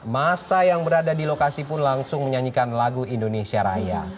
masa yang berada di lokasi pun langsung menyanyikan lagu indonesia raya